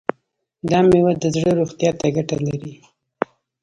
دا میوه د زړه روغتیا ته ګټه لري.